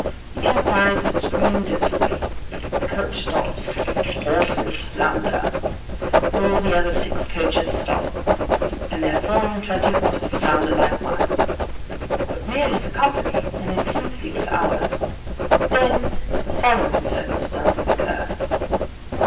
The insides scream dismally; the coach stops; the horses flounder; all the other six coaches stop; and their four and twenty horses flounder likewise: but merely for company, and in sympathy with ours. Then the following circumstances occur.